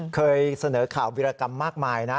เคยเสนอข่าววิรากรรมมากมายนะ